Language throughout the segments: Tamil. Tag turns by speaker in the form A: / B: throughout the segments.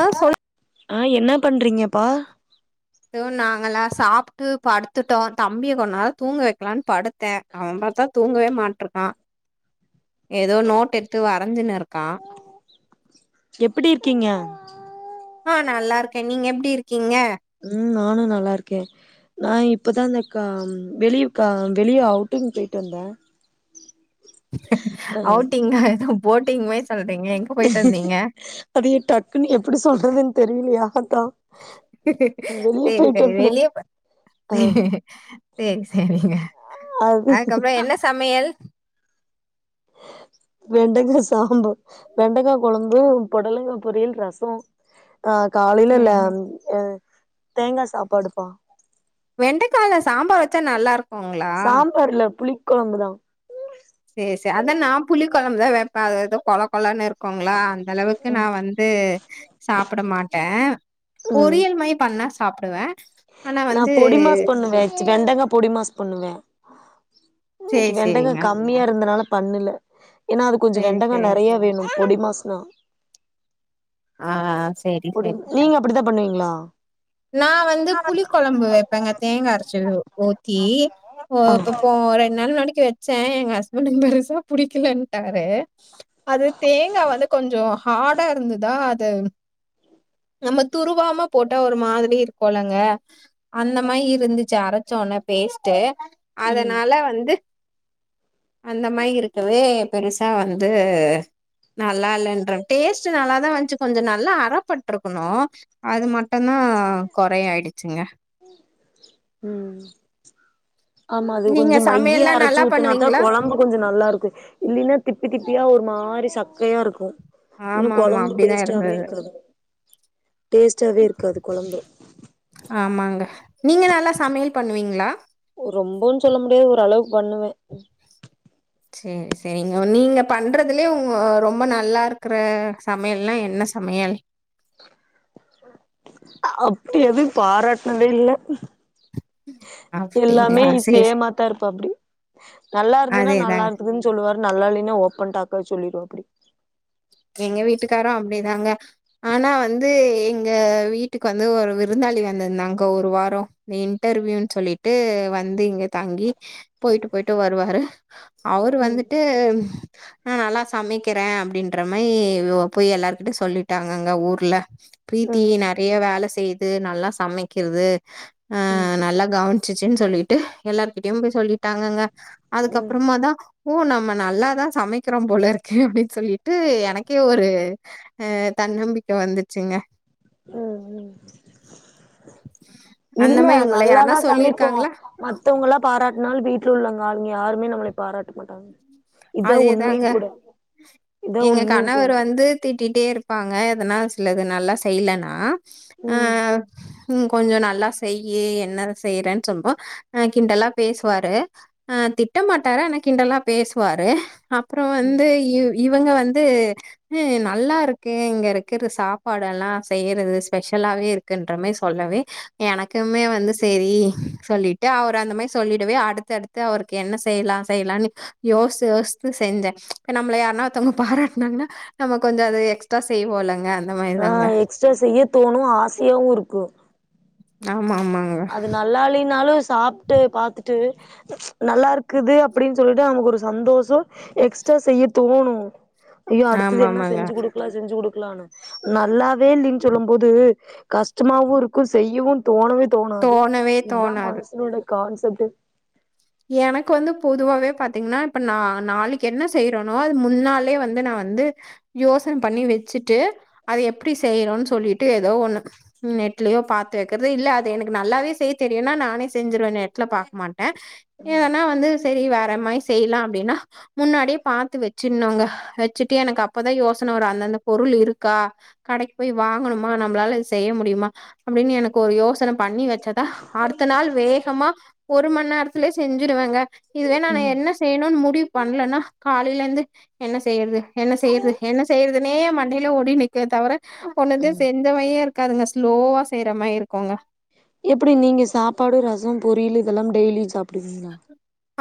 A: ஆ சொல்
B: ஆ என்ன பண்றீங்கப்பா
A: இதோ நாங்கலா சாப்டு படுத்துட்டோ தம்பிய கொஞ்சோ நேரோ தூங்க வைக்கலாம்னு படு த்தே அவ பாத்தா தூங்கவே மாட்றா ஏதோ நோட் எடுத்து வரைஞ்சுன்னு இருக்கா
B: எப்டி இருக்கீங்க
A: ஆ நல்லா இருக்கே நீங்க எப்டி இருக்கீங்க
B: ம் நானு நல்லா இருக்கே நா இப்போ தா இந்த கா வெளிய கா வெளியே அவுட்டிங் போயிட்டு வந்தே ஆ
A: அவுட்டிங்கா என்ன போட்டிங் மாரி சொல்றீங்க எங்க போயிட்டு வந்தீங்க
B: அது டக்குன்னு எப்டி சொல்றதுன்னு தெரியலையா அதா வெளிய
A: சேரி
B: போயிட்டு
A: சேரி
B: வந்தே
A: வெளிய போ
B: ஆ
A: சேரி சேரி சேரிங்க
B: அது
A: அப்றோ என்ன சமையல்
B: வெண்டக்கா சாம்பார் வெண்டக்கா கொழம்பு புடலங்கா பொரியல் ரசோ ஆ காலையில லே
A: சேரிங்க
B: எ தேங்கா சாப்பாடுப்பா
A: வெண்டைக்கால சாம்பார் வச்சா நல்லா இருக்குங்களா
B: சாம்பார்‌ இல்ல புளி கொழம்புதா
A: சேரி சேரி அதா நா புளிக் கொழம்பு தா வைப்பே அத ஏதோ கொல கொலனு இருக் இருக்கோங்களா அந்த அளவுக்கு நா வந்து சாப்பிட மாட்டே
B: ம்
A: பொரியல் மாரி பண்ணா சாப்டுவே ஆனா
B: நா
A: வந்து
B: பொடி மாஸ் பண்ணுவ வெண்டக்கா பொடி மாஸ் பண்ணுவே
A: சேரி
B: இன்னைக்கு வெண்டக்கா
A: சேரிங்க
B: கம்மி இருந்ததுனால பண்ணல ஏன்னா அது கொஞ்சோ
A: சேரி
B: வெண்டக்கா
A: சேரிங்
B: நறைய வேணோ பொடி மாஸ்னா
A: ஆ சேரி
B: பொடி
A: சேரி
B: நீங்க அப்படித்தா பண்ணுவீங்களா
A: நா வந்து புளி கொலம்பு வைப்பேங்க தேங்கா அரைச்சி ஊத்தி ஓ
B: ஆ
A: இப்ப போ ரெண்டு நாள் முன்னாடிக் வச்ச எங்க ஹஸ்பண்ட் பெருசா புடிக்கலன்ட்டாரு அது தேங்கா வந்து கொஞ்சோ ஹாடா இருந்துதா அது நம்ம துருவாமா போட்டா ஒரு மாரி இருக்கோலங்க அந்த மாரி இருந்துச்சி அரைச்ச உன்ன பேஸ்ட்டு
B: ம்
A: அதனால வந்து அந்த மாரி இருக்கவே பெருசா வந்து நல்லா இல்லன்ற டேஸ்ட்டு நல்லாதா வஞ்சி கொஞ்சோ நல்லா அறப்பட்டருக்கணோ அது மட்டோ தா கொறைய ஆயிடுச்சுங்க
B: உம் ஆமா அது
A: நீங்க
B: கொஞ்சோ மைய
A: சமையல்லா
B: அரைச்சி
A: நல்லா
B: ஊத்தனா தா
A: பண்ணுவீங்களா
B: கொலம்பு கொஞ்சோ நல்லா இருக்கோ இல்லன்னா திப்பி திப்பியா ஒரு மாரி சக்கையா இருக்கோ இன்னோ
A: ஆமா ஆமா
B: கொலம்பு
A: அப்டிதா
B: டேஸ்ட்டாவே
A: இருந்தது
B: இருக்காது டேஸ்ட்டாவே இருக்காது கொலம்பு
A: ஆமாங்க நீங்க நல்லா சமையல் பண்ணுவீங்களா
B: ரொம்போ சொல்ல முடியாது ஒரு அளவுக்கு பண்ணுவே
A: செரி செரிங்க நீங்க பண்றதுலயே உங்க ரொம்ப நல்லா இருக்கற சமையல்னா என்ன சமையல்
B: அப்டி எது பாராட்னதே இல்ல எல்லாமே
A: அப்டிங்களா சேரி
B: சேமாதா இருப்பா அப்டி நல்லா இருந்தூன்னா நல்லா
A: அதேதாங்க
B: இரு துன்னு சொல்லுவாரு நல்ல இல்லை இன்னா ஓப்பன் டாக்கான்னு சொல்லிடு வாப்படி
A: எங்க வீட்டுக்காரோ அப்டிதாங்க ஆனா வந்து எங்க வீட்டுக்கு வந்து ஒரு விருந்தாளி வந்திருந்தாங்க ஒரு வாரோ இன்டர்வியூன்னு சொல்லிட்டு வந்து இங்க தாங்கி போயிட்டு போயிட்டு வருவாரு அவரு
B: ம்
A: வந்துட்டு நா நல்லா சமைக்கற அப்டின் ற மாரி போய் எல்லார் கிட்டயோ சொல்லிட்டாங்க அங்க ஊர்ல பிரீத்தி
B: ம்
A: நறைய வேல செய் து நல்லா சமைக்கிது
B: ம்
A: நல்லா கவுன்ச்சின்னு சொல்லிட்டு எல்லார்கிட்டயோ போய் சொல்லிட்டாங்கங்க
B: ம்
A: அதுக்கப்பறமா தா ஓ நம்ம நல்லாதா சமைக்கிறோ போல இருக்கு அப்டின்னு சொல்லி ட்டு எனக்கே ஓரு தன்னம்பிக்க வந்துச்சிங்க
B: உம் உம்
A: அந்த
B: இல்ல
A: மாரி உங்கள
B: நல்லா
A: யாருன்னா
B: தா சமைப்போ
A: சொல்லியிருக்காங்களா?
B: மத்தவங்கல்லா பாராட்னளோ வீட்டுல உள்ளவங்க ஆளுங்க யாருமே நம்மள பாராட்ட மாட்டாங்க இதா
A: அதே
B: உண்மையு
A: தாங்க
B: கூட இதா
A: எங்க
B: உண்மையு கூட
A: கணவர் வந்து திட்டிட்டே இருப்பாங்க எதனா சிலது நல்லா செய்யலனா ஆ உம் கொஞ்சோ நல்லா செய்யி என்ன செய்யறேன்னு சொல்வோ ஆ கிண்டல்லா பேசுவாரு அ திட்டமாட்டார அனாக் கிண்டல்லா பேசுவாரு அப்பறோ வந்து இவங்க வந்து நல்லா இருக்கு இங்க இருக்கிற சாப்பாடு எல்லா செய்யறது ஸ்பெஷலாவே இருக்குன்ற மாரி சொல்லவே எனக்குமே வந்து செரி சொல்லிட்டு அவர் அந்த மாரி சொல்லிடுவே அடுத்தடுத்து அவருக்கு என்ன செய்யலா செய்யலானு யோஸ்து யோஸ்த்து செஞ்ச இப்ப நம்மள யார்னா ஒருத்தவங்க பாராட்டனாங்கன்னா நம்ம கொஞ்சோ அது எக்ஸ்ட்ரா செய்யவோலங்க
B: ஆ எக்ஸ்ட்ரா செய்ய தோணோ ஆசையாவோ இருக்கோ
A: ஆமா ஆமாங்க
B: அது நல்லாலினாலு சாப்ட்டு பாத்துட்டு நல்லா இருக்குது அப்டின்னு சொல்லிட்டு நமக்கு ஒரு சந்தோஷோ எக்ஸ்ட்ரா செய்ய தோனூ ஐயோ அடுத்தது
A: ஆமா,
B: என்னா
A: ஆமாங்க.
B: செஞ்சு குடுக்கலா செஞ்சு குடுக்கலானு நல்லாவே இல்லன்னு சொல்லு போது கஷ்டமாவு இருக்கு செய்யவு தோணவே தோணாது
A: தோணவே
B: இதுதா
A: தோணாது.
B: மனுசனோட கான்செப்ட்டு
A: எனக்கு வந்து பொதுவாவே பாத்தீங்கனா இப்ப நா நாளைக்கி என்ன செய்றனோ அது முன்னாலயே வந்து நா வந்து யோசன பன்னி வச்சுட்டு அத எப்டி செய்றோன் சொல்லிட்டு ஏதோ ஒன்னு நெட்லயு பாத்து வக்றது இல்ல அது எனக்கு நல்லாவே செய்ய தெரியுனா நானே செஞ்சிருவே நெட்ல பாக் மாட்டே ஏதனா வந்து செரி வேற மாரி செய்லா அப்டினா முன்னாடியே பாத்து வச்சினுங்க வச்சுட்டு எனக்கு அப்பதா யோசன வரு அந்தந்த பொருள் இருக்கா கடைக்கு போய் வாங்கணுமா நம்ளால இதுசெய்ய முடியுமா அப்டின்னு எனக்கு ஒரு யோசன பன்னி வச் சதா அடுத்த நாள் வேகமா ஒரு மணி நேரத்துலே செஞ்சிருவேங்க இதுவே நா
B: ம்
A: என்ன செய்யணுன் முடிவு பண்லன்னா காலைலந்து என்ன செய்றது என்ன செய்றது என்ன செய்றதுனே மண்டைல ஓடினிக்க தவிர ஒன்னுத்தியு
B: ம்
A: செஞ் ச மேரிய இருக்காதுங்க ஸ்லோவா செய்ற மாரி இருக்கோங்க
B: எப்டி நீங்கள் சாப்பாடு ரசொ பொரியல் இதெல்லாம் டெய்லி சாப்டுவீங்ளா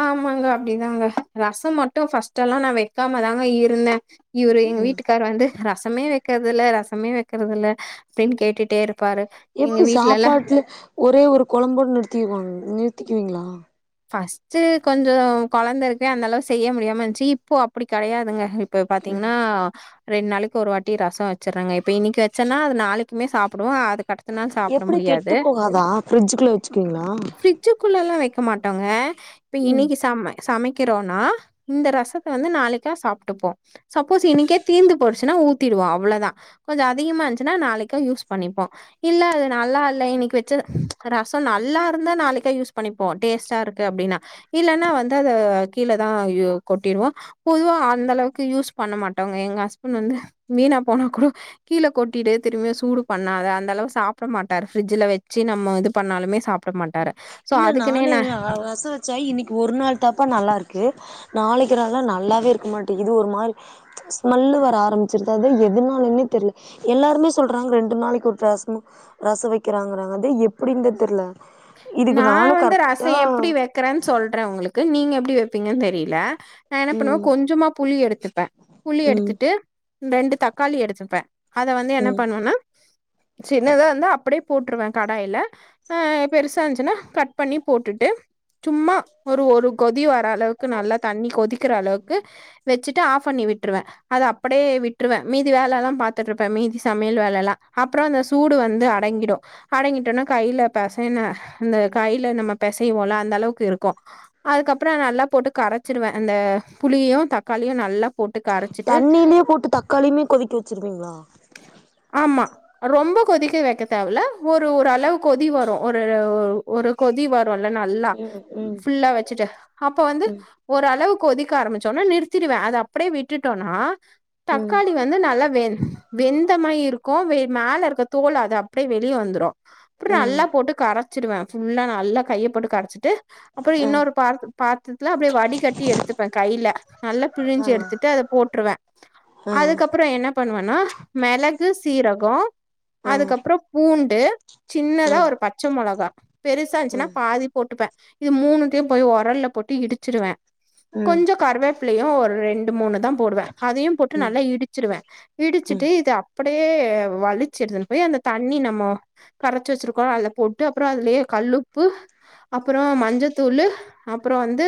A: ஆமாங்க அப்டிதாங்க ரசொ மட்டு ஃபர்ஸ்ட்ல்லா நா வைக்காம தாங்க இருந்தே இவுரு எங்க
B: ம்
A: வீட்டுக்கார் வந்து ரசமே வக்கறத்தில்ல ரசமே வக்கறதில்ல அப்டின்னு கேட்டுட்டே இருப் பாரு எங்க
B: எப்டி
A: வீட்ல எல்லா
B: சாப்பாட்ல ஒரே ஒரு கொழம்போடு நிறுத்திர்வாங்க நிறுத்திக்குவீங்ளா
A: ஃபஸ்ட் கொஞ்சொ கொழந்த இருக்கு அந்த அளவு செய்ய முடியாம இந்ச்சி இப்போ அப்டி கெடையாதுங்க இப்ப பாத்தீங்கனா ரெண்டு நாளைக்கு ஒரு வாட்டி ரசொ வச்சர்றங்க இப்ப இன்னிக்கு வச்சேன்னா அது நாளைக்குமே சாப்டுவோ அது
B: எப்டி கெட்டு போகாதா ஃப்ரிஜ்ஜுக்குள்ள வச்சுப்பீங்ளா
A: ஃப்ரிஜிக்குள்ளலா வைக்க மாட்டோங்க இப்ப
B: ம்
A: இன்னிக்கி சம சமை க்கிறோனா இந்த ரசத்த வந்து நாளைக்கா சாப்ட்டுப்போ சப்போஸ் இன்னக்கே தீந்து போய்டுச்சுனா ஊத்திடுவோ அவ்ளோதா கொஞ்சொ அதிகமா இருந்ச்சுனா நாளைக்கூ யூஸ் பன்னிப்போ இல்ல அது நல்லா இல்ல இன்னிக்கு வச்ச ரசொ நல்லா இருந்தா நாளைக்கு யூஸ் பன்னிப்போ டேஸ்ட்டாருக்கு அப்டின்னா இல்லன்னா வந்து அத கீழேதா கொட்டிடுவோ பொதுவா அந்த அளவுக்கு யூஸ் பண்ண மாட்டோங்க எங்க ஹஸ்பண்ட் வந்து வீணா போனா கூட கீழே கொட்டிடு திரும்ப சூடு பண்ணாத அந்த அளவு சாப்ட மாட்டார் ஃப்ரிட்ஜல வச்சு நம்ம இது பண்ணாலுமே சாப் ப்ட மாட்டாரு சோ அதுக்
B: நானூ எர ரசொ வச்சா இன்னிக்கி ஒரு நாள் தாப்பா நல்லாருக்கு நாளைக்லான்னா நல்லாவே இருக்க மாட்டேங்கிது ஒரு மாரி ஸ்மெல்லு வர ஆரம்பிச்சிருது அது எதுனாலனே தெர்ல எல்லாருமே சொல்றாங்க ரெண்டு நாளைக்கு ஒரு ரசொ ரசொ வக்கிறாங்கறாங்க அதே எப்டின்னு தெர்ல இதுக்கு
A: நா
B: நானு
A: வந்து ரசொ
B: கரெக்டா
A: எப்டி வெ க்கறேன்னு சொல்றே ஒங்களுக்கு நீங்க எப்டி வப்பீங்கன்னு தெரில நா என்ன பண்ணுவே
B: ம்
A: கொஞ்சமா புளி எடுத்துப்பே புளி
B: ம்
A: எடுத்துகிட்டு ரெண்டு தக்காளி எடுத்துப்பே அத வந்து என்ன
B: ம்
A: பண்ணுவனா சின்னத இருந்தா அப்டியே போட்டுர்வே கடாயில ஆ பெருசா இர்ச்சுன்னா கட் பன்னி போட்டுட்டு சும்மா ஒரு ஒரு கொதி வர் ர அளவுக்கு நல்லா தண்ணி கொதிக்கிற அளவுக்கு வச்சுட்டு ஆஃப் பண்ணி விட்டுர்வே அத அப்படியே விட்டுருவே மீதி வேலலா பாத்துட்ருப்பே மீதி சமையல் வேலல்லா அப்றோ அந்த சு சூடு வந்து அடங்கிடு அடங்கிட்டோன கைல பெச என்ன இந்த கைல நம்ம பெசைவோல அந்த அளவுக்கு இருக்கூ அதுக்கப்றோ நல்லா போட்டு கரச்சிருவே அந்த புளியு தக்காளியு நல்லா போட்டு கரச்சிட்டு
B: தண்ணீலே போட்டு தக்காளியுமே கொதிக்க வச்சிருவீங்ளா
A: ஆமா ரொம்ப கொதிக்க வைக்க தேவல ஒரு ஒரு அளவு கொதி வரு ஒரு ஒரு கொதி வரு ரொல்ல நல்லா
B: ம் ம்
A: ஃபுல்லா வச்சுட்டு அப்ப வந்து
B: ம்
A: ஓரளவுக் கொதிக்க ஆரமிச்சோனா நிறுத்திருவே அத அப்படியே விட்டுட்டோனா
B: ம்
A: தக்காளி வந்து நல்லா வெந் வெந்த் த மாரி இருக்கூ மேல இருக்க தோல் அது அப்டியே வெளியே வந்துடு அ
B: ம்
A: நல்லா போட்டு கரச் சிருவ ஃபுல்லா நல்லா கையப்போட்டு கரச்சிட்டு அப்றொ
B: ஆ
A: இன்னொரு பா பாத்தத்துல அப்படியே வடிகட்டி எடுத்துப்பே கையில நல்லா
B: ஆ
A: பிழிஞ்சு எடுத்துட்டு அத போட்டு ட்ருவ
B: ஆ
A: அதுக்கப்புறோ என்ன பண்ணுவன்னா மெளகு சீரகொ
B: ஆ
A: அதுக்கப்புறம் பூண்டு
B: ஆ
A: சின்னதா ஒரு பச்சை மொளகா பெருசா
B: ஆ
A: இருந்ச்சுன்னா பாதி போட்டுப்ப இது மூணுத்தையும் போய் ஒரல்ல போட்டு இடிச்சுடுவே
B: ம்
A: கொஞ்சொ கருவே ப்ளயு ஒரு ரெண்டு மூணு தா போடுவே அதையும் போட்டு
B: ம்
A: நல்லா இடிச்சிருவே இடிச்சிட்
B: ம்
A: ட்டு இது அப்படியே வலிச்சு எடுதுன்னு போய் அந்த தண்ணி நம்மோ கரச்சி வச்சிருக்கோ அதல போட்டு அப்புறொ அதுலயே கல்லுப்பு அப்போ மஞ்சத்தூளு அப்புறோ வந்து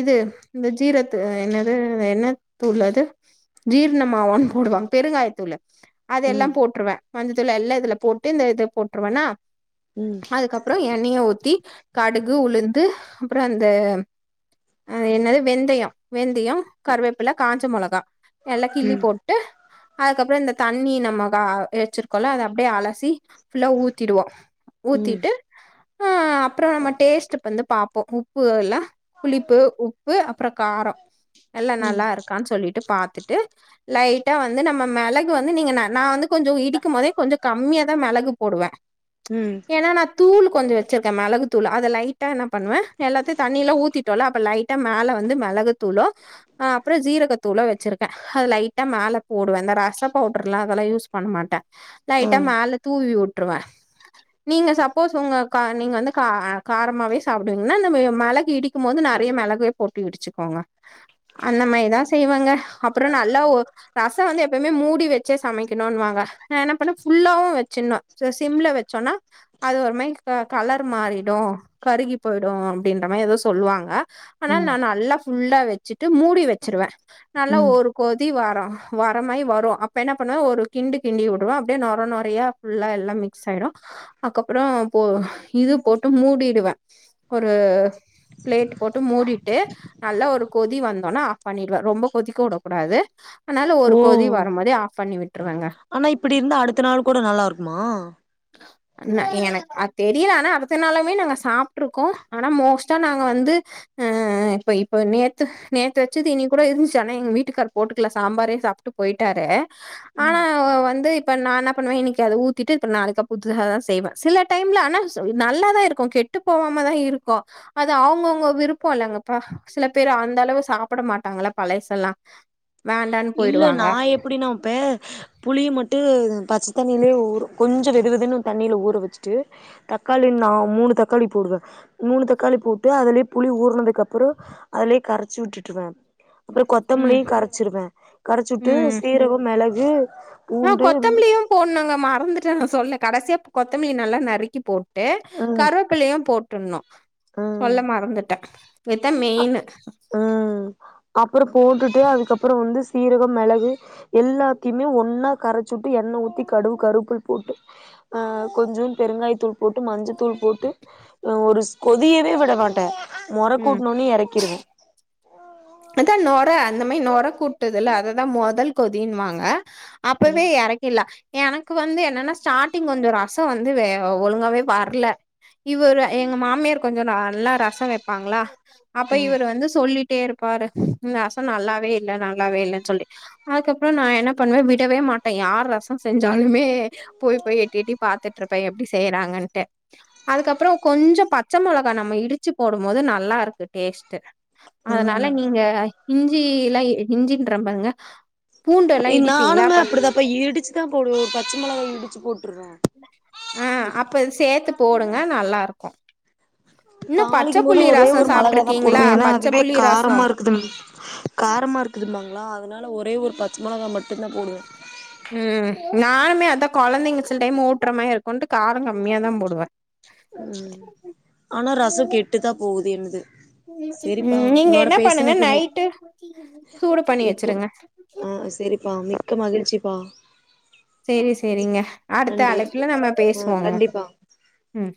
A: இது இந்த ஜீரத்து என்னது என்ன தூள்ளது ஜீரண்ணமாவான்னு போடுவாங்க பெருங்காயத்தூளு அத
B: ம்
A: எல்லாம் போட்ருவே மஞ்சத்தூள் எல்லா இதுல போட்டு இந்த இது போட்ருவன்னா
B: ம்
A: அதுக்கப்புறொ எண்ணெயை ஊத்தி கடுகு உளுந்து அப்றம் அந்த அ என்னது வெந்தயொ கருவேப்பில காஞ்ச மொளகா எல்லா கிள்ளி
B: ம்
A: போட்டு அதுக்கப்றொ இந்த தண்ணி நம்ம அ எச்சிருக்கோல்ல அத அப்டியே அலசி ஃபுல்லா ஊத்திடுவோ
B: ம்
A: ஊத்திட்டு அ அப்றொ நம்ம டேஸ்ட் வந்து பாப்போ உப்பு இல்ல புளிப்பு உப்பு அப்றோ காரொ எல்லா
B: ம்
A: நல்லா இருக்கான்னு சொல்லிட்டு பாத்துட்டு ட்ரு லைட் ட்டா வந்து நம்ம மெளகு வந்து நீங்க நா நா வந்து கொஞ்சொ இடிக்கும் போதே கொஞ்ச கம்மியா தா மெளகு போடுவே
B: ம்
A: ஏன்னா நா தூளு கொஞ்சொ வெச்சிருக்கே மெளகு தூள் அத லைட்டா என்னா பண்ணுவே எல்லாத்தையு தண்ணியெல்லா ஊத்தி டோல்ல அப்ப லைட்டா மேல வந்து மெளகு தூளூ அ அப்புறொ சீரகத்தூளூ வச்சிருக்கே அது லைட்டா மேல போடுவே இந்த ரசப் பவுட்ருல்லா அதெல்லா யூஸ் பண்ண மாட்டே
B: ஓ
A: லைட்டா மேல தூவி வுட்டுருவ நீங்க சப்போஸ் உங்க கா நீங்க வந்து காரமாவே சாப்பிடுவீங்கன்னா அந்த மெளகு இடி க்கும்மோது நறைய மெளகே போட்டு இடிச்சுக்கோங்க அந்த மேரிதா செய்வங்க அப்புறொ நல்லா ஒ ரசொ வந்து எப்பயுமே மூடி வச்சே சமைக்கனுன்வாங்க நா என்ன பண்ணே ஃபுல்லாவு வெச்சிண்ணு சிம்ல வச்சோன்னா அது ஒரு மாரி க கலர் மாறிடு கருகி போய்டு அப்டின்ற மாரி எதோ சொல்வாங்க ஆனா
B: ம்
A: நா நல்லா ஃபுல்லா வெச்சுட்டு மூடி வச்சிருவே நல்லா
B: ம்
A: ஒரு கொதி வரு வரமாயி வரு அப்ப என்ன பண்ணுவ ஒரு கிண்டு கிண்டி விடுவ அப்டியே நொற நொறையா ஃபுல்லா எல்லாம் மிக்ஸ் ஆயிடு அக்கப்புறொ போ இது போட்டு மூடிடுவ ஒரு பிளேட் போட்டு மூடிட்டு நல்ல ஒரு கொதி வந்தொன்னே ஆஃப் பண்ணிடுவே ரொம்ப கொதிக்க உட கூடாது அத்னால
B: ஓ
A: ஒரு கொதி வரும்போதே ஆஃப் பண்ணி விட்ருவேங்க
B: ஆனா இப்டி இருந்தா அடுத்த நாள் கூட நல்லா இருக்குமா
A: ஆஹ ந எனக் அது தெரில ஆனா அடுத்த நாளாமே நாங்க சாப்ட்ருக்கோ ஆனா மோஸ்டா நாங்க வந்து ஆ இப்ப இப்ப நேத்து நேத்து வெச்சது இன்னெக்கி கூட இருந்துச்சு ஆனா எங்க வீட்டுக்காரு போட்டுகல ச சாம்பாரே சாப்ட்டு போய்ட்டாரு ஆனா
B: ம்
A: வந்து இப்ப நா என்ன பண்ணுவே இன்னெக்கி அத ஊத்திட்டு இப்ப நாளெக்கி அ புதுசா தா செய்வே சில டைம்ல அனா நல்ல தா இருக்கு கெ ட்டு போகாமதா இருக்கு அது அவ்ங்கவுங்க விருப்போ இல்லங்களப்பா சில பேரு அந்த அளவு சாப்பட மாட்டாங்கள பழெசெல்லா
B: இல்ல நா எப்டின்னா வெபே புளிய மட்டு பச்ச தண்ணியிலே ஊறு கொஞ்சோ வெது வெதுன்னு தண்ணில ஊறு வெச்சுட்டு தக்காளி நா மூனு தக்காளி போடுவ மூனு தக்காளி போட்டு அதுலயே புளி ஊற்னதுக்கு அப்பறோ அதுலெயே கரச்சு உட்டுட்டுவ அப்றோ
A: ம்,
B: கொத்தமல்லியு கரச்சிருவ கரச்சு உட்டு சீரகோ மெளகு
A: அ
B: பூண்டு
A: கொத்தம்மல்லியு போட்னுங்க மறந்துட்ட நா சொல்ல கடசியா கொத்தமல்லிய நல்லா நறுக்கி போ ட்டு
B: ம்
A: கருவபிள்ளையு போட்டுட்னு
B: ம்
A: சொல்ல மறந்துட்ட இத்தா மெய்னு
B: அப்றோ போட்டுட்டு அதுக்கப்பொறோ வந்து சீரகோ மெளகு எல்லாத்தெய்மே ஒன்னா கரச்சு உட்டு எண்ண ஊத்தி கடுகு கருவபுள் போட்டு அ கொஞ்சோ பெருங்காய தூள் போட்டு மஞ்சத் தூள் போட்டு ஒரு ஸ் கொதியவே விட மாட்ட நொர
A: ம்.
B: கூட்ண ஒண்ணே எறக்கிருவே
A: அக்கா நார் ர அந்த மாரி நொர கூட்டுதுல அததா மொதல் கொதீன்வாங்க அப்பவே எறக்கீர்லா எனக்கு வந்து என்னன்னா ஸ்டார்ட்டிங் கொஞ்சோ ரசோ வந்து வே அ ஒழுங்காவே வர்ல இவரு எங்க மாமியார் கொஞ்சோ ந நல்லா ரசோ வெப்பாங்ளா அப்ப இவரு வந்து சொல்லீட்டே இரு பாரு இந்த ரசம் நல்லாவே இல்ல நல்லாவே இல்லன் சொல்லி அதுக்கப்றோ நா என்ன பண்ணுவ விடவே மாட்டே யார் ரசம் செஞ்சாலுமே போய் போய் எட்டி எட்டி பாத்துட்டுருப்ப எப்டி செய்றாங்கன்ட்டு அதுக்கப்றோ கொஞ்சோ பச்ச மொளகா நம்ம இடுச்சு போடும்போது நல்லா இருக்கு டேஸ்ட்டு அதனால நீங்க இஞ்சி இல்ல இ இஞ்சின்ற பாருங்க பூண்டு எல்லா இடிப்பீங்க்ள அப்ப
B: அப்ப இடுச்சி தா போடுவ ஒரு பச்ச மொளகா இடுச்சு போட்டுருவே
A: அ அப்ப இது சேத்து போடுங்க நல்லா இருக்கு
B: தாளிக்கும்போது ஒரே ஒரு மொளகா தா
A: சாப்ட்ருக்கீங்களா
B: போடுவே எனா
A: பச்ச
B: அதுவே
A: புளி ரசோ
B: காரமா இரு க்குதுன் காரமா இருக்குதுன்பாங்களா அதனால ஒரே ஒரு பச்ச மொளகா மட்டுந் தா போடுவ
A: ம் நானுமே அதா கொழந்தைங்க சில டைம் ஊட்ற மாரி இருக்குன்ட்டு காரோ கம்மியாதா போடுவ
B: ம் ஆனா ரசொ கெட்டுதா போகுது என்னுது
A: ம் நீங்க என்ன பண்ணுங்க
B: மி
A: நைட்டு சூடு பண்ணி வெச்சிருங்க
B: அ செரி பா மிக்க மகிழ்ச்சி பா
A: செரி செரிங்க அடுத்த
B: நன்றி
A: அழைப்புல நம்ப
B: ஆ
A: பேசுவோங்க
B: கண்டிப்பா
A: ம்